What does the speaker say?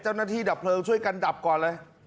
เจ้าหน้าที่ดับเพลิงช่วยกันดับก่อนแล้ว